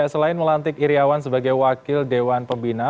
selain melantik iryawan sebagai wakil dewan pembina